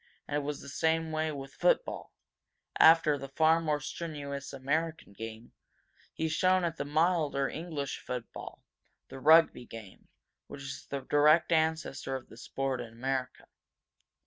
And it was the same way with football. After the far more strenuous American game, he shone at the milder English football, the Rugby game, which is the direct ancestor of the sport in America.